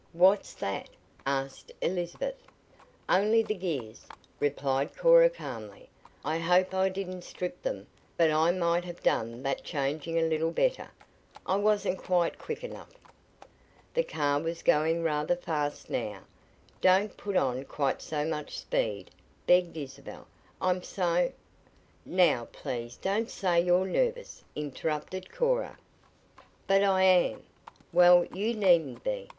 What's that?" asked Elizabeth. "Only the gears," replied Cora calmly. "I hope I didn't strip them, but I might have done that changing a little better. I wasn't quite quick enough." The car was going rather fast now. "Don't put on quite so much speed," begged Isabel. "I'm so " "Now please don't say you're nervous," interrupted Cora. "But I am." "Well, you needn't be.